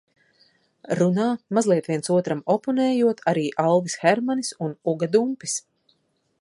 Runā, mazliet viens otram oponējot, arī Alvis Hermanis un Uga Dumpis.